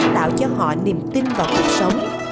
tạo cho họ niềm tin vào cuộc sống